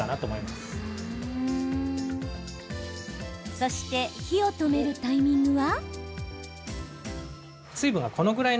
そして火を止めるタイミングは？